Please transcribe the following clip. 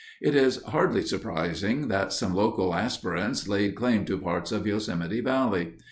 It is hardly surprising that some local aspirants laid claim to parts of Yosemite Valley.